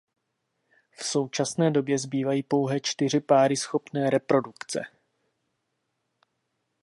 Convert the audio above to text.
V současné době zbývají pouhé čtyři páry schopné reprodukce.